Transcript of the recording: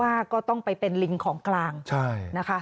ก็ต้องไปเป็นลิงของกลางใช่นะคะ